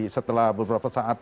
setelah beberapa saat